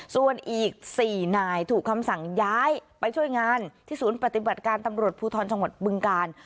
ส่วนอีก๔นายถูกคำสั่งย้ายไปช่วยงานที่ศูนย์ปฏิบัติการตำรวจภูทรจังหวัดบึงกาล